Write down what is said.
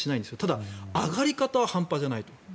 ただ、上がり方は半端じゃないと。